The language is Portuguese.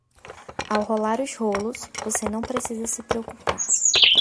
Ao rolar os rolos, você não precisa se preocupar.